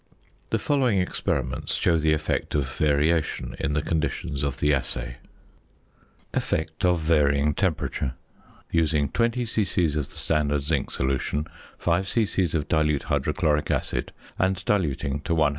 The following experiments show the effect of variation in the conditions of the assay: ~Effect of Varying Temperature.~ Using 20 c.c. of the standard zinc solution, 5 c.c. of dilute hydrochloric acid, and diluting to 100 c.c.